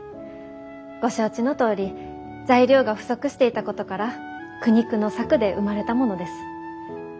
ご承知のとおり材料が不足していたことから苦肉の策で生まれたものです。